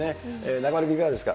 中丸君、いかがですか？